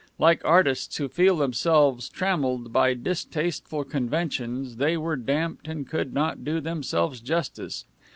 Like artists who feel themselves trammeled by distasteful conventions, they were damped and could not do themselves justice.